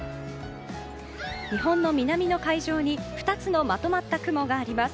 日本の南の海上に２つのまとまった雲があります。